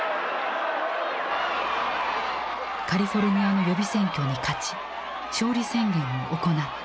カリフォルニアの予備選挙に勝ち勝利宣言を行った。